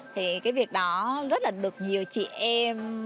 thì cái việc đó rất là được nhiều chuyên gia